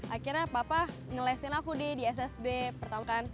akhirnya papa ngelesin aku di ssb pertama kan